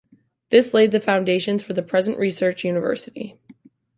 This laid the foundations for the present research university.